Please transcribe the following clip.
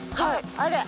あれ。